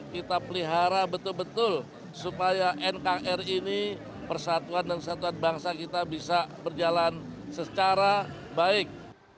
kita pelihara betul betul supaya nkri ini persatuan dan kesatuan bangsa kita bisa berjalan secara baik